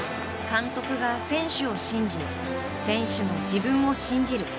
監督が選手を信じ選手も自分を信じる。